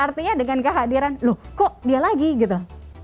artinya dengan kehadiran loh kok dia lagi gitu